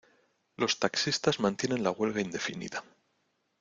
Los taxistas mantienen la huelga indefinida.